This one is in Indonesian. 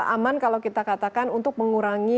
aman kalau kita katakan untuk mengurangi